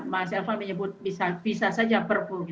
mas elvan menyebut bisa saja perpu